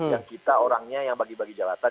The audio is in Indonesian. yang kita orangnya yang bagi bagi jalatan